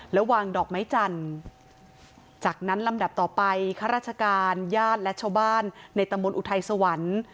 แล้ววางดอกไม้จันทร์จากนั้นลำดับต่อไปข้าราชการญาติและชาวบ้านในตำบลอุทัยสวรรค์